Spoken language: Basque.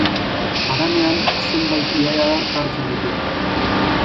Haranean zenbait ibaiadar hartzen ditu.